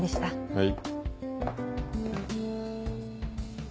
はい。